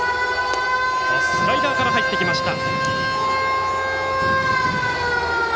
スライダーから入ってきました。